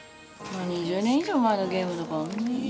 もう２０年以上前のゲームだからね。